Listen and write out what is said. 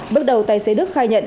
bước đầu tài xế đức khai nhận